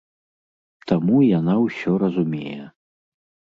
Таму яна ўсё разумее.